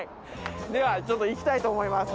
ではいきたいと思います。